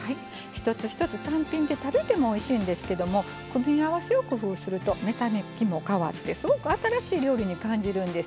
一つ一つ単品で食べてもおいしいんですけども組み合わせを工夫すると目先も変わってすごく新しい料理に感じるんですよ。